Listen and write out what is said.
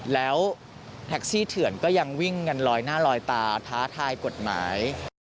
แล้วแท็กซี่เถื่อนก็ยังวิ่งกันลอยหน้าลอยตาท้าทายกฎหมาย